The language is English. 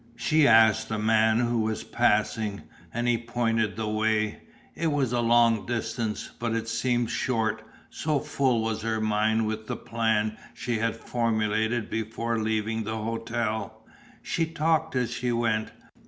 She asked a man who was passing and he pointed the way; it was a long distance, but it seemed short, so full was her mind with the plan she had formulated before leaving the hotel. She talked as she went.